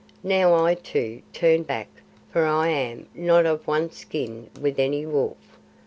Now I, too, turn back, for I am not of one skin with any wolf.